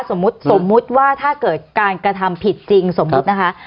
สมมุติสมมุติว่าถ้าเกิดการกระทำผิดจริงสมมุตินะคะ